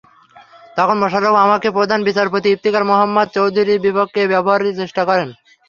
তখন মোশাররফ আমাকে প্রধান বিচারপতি ইফতিখার মোহাম্মদ চৌধুরীর বিপক্ষে ব্যবহারের চেষ্টা করেন।